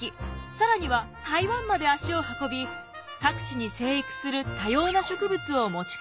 更には台湾まで足を運び各地に生育する多様な植物を持ち帰りました。